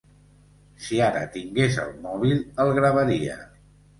Si ara tingués el mòbil el gravaria.